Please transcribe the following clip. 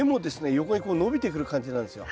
横にこう伸びてくる感じなんですよ。